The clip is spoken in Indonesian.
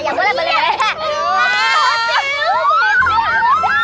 ambil kita jalan jalan sama mobil ini